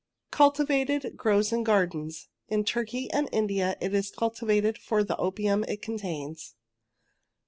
Cultivated, grows in gardens— in Turkey and India it is cultivated for the opium it contains.